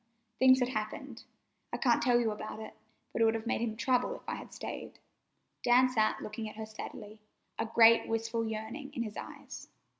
Things had happened. I can't tell you about it, but it would have made him trouble if I had stayed." Dan sat looking at her steadily, a great, wistful yearning in his eyes.